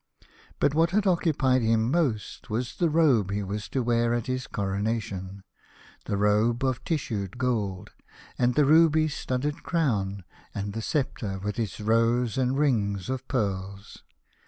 But what had occupied him most was the robe he was to wear at his coronation, the robe of tissued gold, and the ruby studded crown, and the sceptre with its rows and rings of pearls.